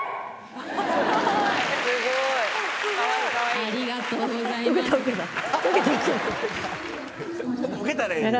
ありがとうございます。